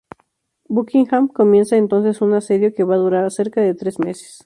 Buckingham comienza entonces un asedio que va a durar cerca de tres meses.